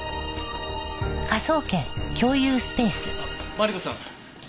マリコさん